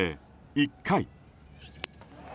１回。